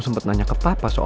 sebentar ya pak